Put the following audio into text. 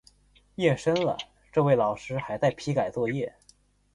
夜深了，这位老师还在批改作业